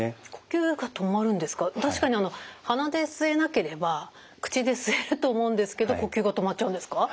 確かに鼻で吸えなければ口で吸えると思うんですけど呼吸が止まっちゃうんですか？